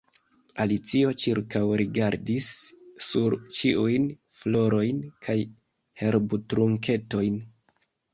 Alicio ĉirkaŭrigardis sur ĉiujn florojn kaj herbtrunketojn.